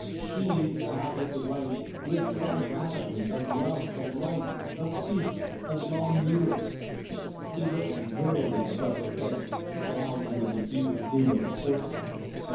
She, wild with delight, whispered on rapidly, of love, of light, of peace, of long years. ... He looked drearily above her head down into the deeper gloom of the courtyard.